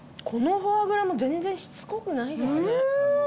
このフォアグラも全然しつこくないですね。